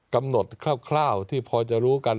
กำหนดคร่าวที่พอจะรู้กัน